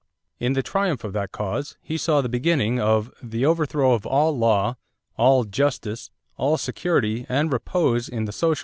In the triumph of that cause he saw the beginning of "the overthrow of all law, all justice, all security and repose in the social order."